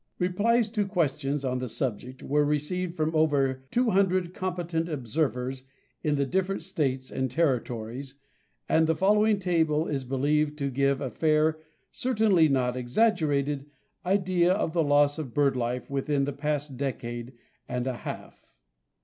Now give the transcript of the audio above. Replies to questions on the subject were received from over two hundred competent observers in the different states and territories, and the following table is believed to give a fair, certainly not exaggerated, idea of the loss of bird life within the past decade and a half.